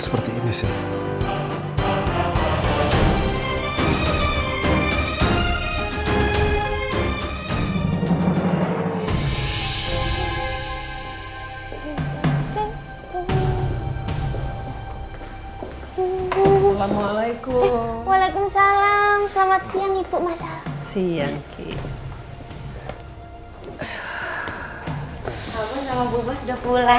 seperti ini sih